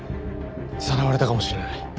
さらわれたかもしれない。